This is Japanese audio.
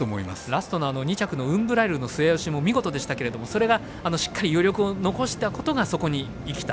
ラストの２着のウンブライルの末脚も見事でしたけれどしっかり余力を残したことがそこに生きた。